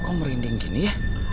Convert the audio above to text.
kok merinding gini ya